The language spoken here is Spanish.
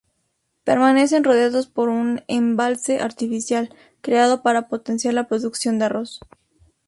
Permanecen rodeados por un embalse artificial, creado para potenciar la producción de arroz.